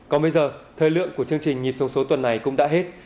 còn bây giờ thời lượng của chương trình nhịp sống số tuần này cũng đã hết